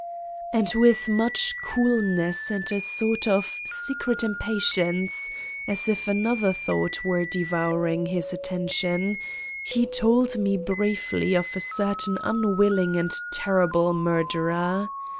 And with much coolness and a sort of secret impatience, as if another thought were devouring his attention, he told me briefly of a certain un willing and terrible murderer.